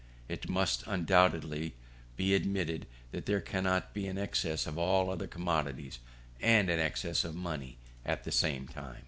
It must, undoubtedly, be admitted that there cannot be an excess of all other commodities, and an excess of money at the same time.